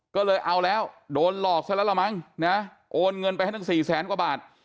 ก็เลยเอาแล้วโดนหลอกซะแล้วละมั้งนะโอนเงินไปให้ตั้งสี่แสนกว่าบาท